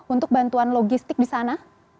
untuk bantuan logistik di sana